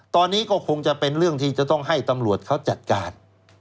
ตอนนี้ก็คงจะเป็นเรื่องที่จะต้องให้ตำรวจเขาจัดการ